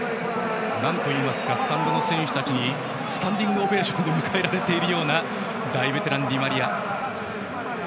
スタンドの選手たちにスタンディングオベーションで迎えられているような大ベテランのディマリア。